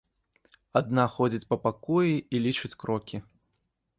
Адна ходзіць па пакоі і лічыць крокі.